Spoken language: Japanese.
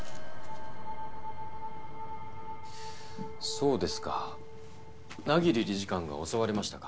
そうですか百鬼理事官が襲われましたか。